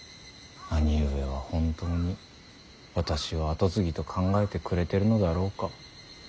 兄上は本当に私を跡継ぎと考えてくれてるのだろうか。